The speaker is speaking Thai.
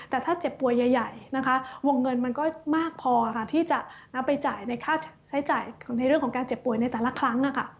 แต่ถ้าเจ็บป่วยใหญ่นะคะวงเงินมันก็มากพอค่ะที่จะนำไปจ่ายในค่าใช้จ่ายในเรื่องของการเจ็บป่วยในแต่ละครั้ง